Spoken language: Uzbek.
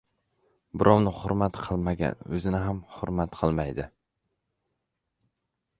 • Birovni hurmat qilmagan o‘zini ham hurmat qilmaydi.